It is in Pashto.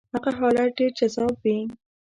هغه حالت ډېر جذاب وي.